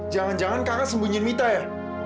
jangan jangan kakak sembunyi mita ya